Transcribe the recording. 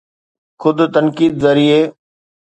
خود تنقيد ذريعي